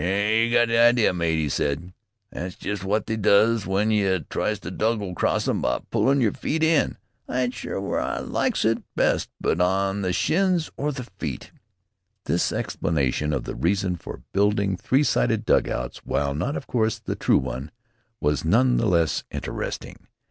"You got the idea, mate," he said. "That's just wot they does w'en you tries to double cross 'em by pullin' yer feet in. I ain't sure w'ere I likes it best, on the shins or on the feet." This explanation of the reason for building three sided dugouts, while not, of course, the true one, was none the less interesting.